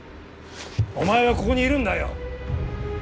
お前はここにいるんだよ。